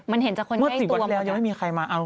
มันเห็นจากคนใกล้ตัวนกว่าสิ้นแล้วยังไม่มีใครมา